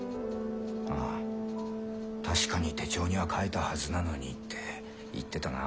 あぁ確かに手帳には書いたはずなのにって言ってたな。